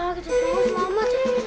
wah kita selamat selamat